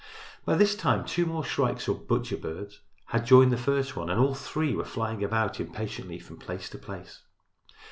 By this time two more shrikes or butcher birds had joined the first one and all three were flying about impatiently from place to place.